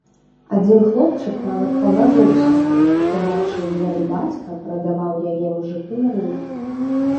Адзін хлопчык нават пабажыўся, што бачыў, як бацька прадаваў яе мужыку на рынку.